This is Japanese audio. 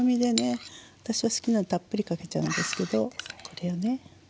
私は好きなのでたっぷりかけちゃうんですけどこれをね。